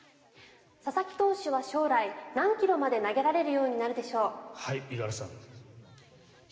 佐々木投手は将来、何キロまで投げられるようになるでしょう？